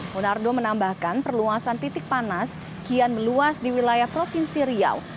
munardo menambahkan perluasan titik panas kian meluas di wilayah provinsi riau